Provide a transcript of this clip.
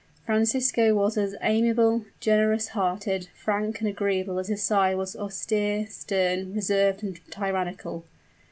Francisco was as amiable, generous hearted, frank and agreeable as his sire was austere, stern, reserved and tyrannical.